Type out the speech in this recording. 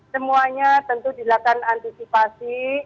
semuanya tentu dilakukan antisipasi